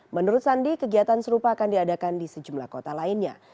menurut sandi kegiatan serupa akan diadakan di sejumlah kota lainnya